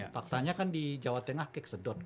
faktanya kan di jawa tengah keksedot